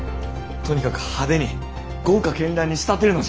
とにかく派手に豪華絢爛に仕立てるのじゃ！